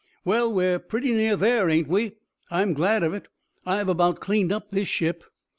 "Well, we're pretty near there, ain't we? I'm glad of it; I've about cleaned up this ship."